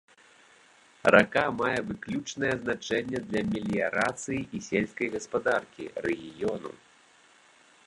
Рака мае выключнае значэнне для меліярацыі і сельскай гаспадаркі рэгіёну.